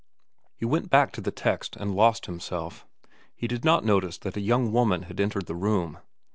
He went back to the text and lost himself. He did not notice that a young woman had entered the room.